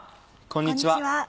こんにちは。